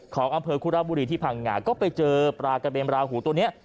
ของอำเภอคุระบุรีที่พังงาก็ไปเจอปลากระเบนราหูตัวนี้